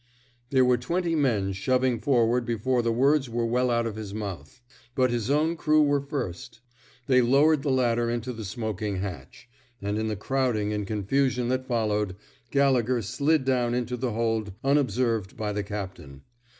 There were twenty men shoving forward before the words were well out of his mouth ; but his own crew were first. They lowered the ladder into the smoking hatch; and, in the crowding and confusion that followed, Gallegher slid down into the hold unob served by the captain.